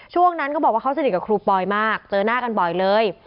ช่วงนั้นก็บอกว่าเขาสนิทกับครูปอยมากเจอหน้ากันบ่อยเลย